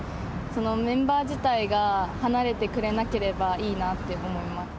メンバー自体が離れてくれなければいいなって思います。